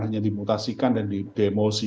hanya dimutasikan dan didemosi